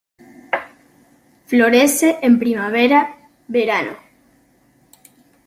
Florece en primavera, verano.